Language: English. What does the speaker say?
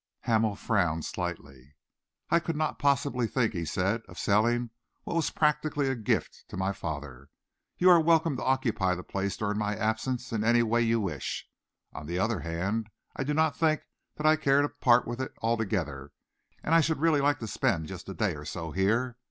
Hamel frowned slightly. "I could not possibly think," he said, "of selling what was practically a gift to my father. You are welcome to occupy the place during my absence in any way you wish. On the other hand, I do not think that I care to part with it altogether, and I should really like to spend just a day or so here.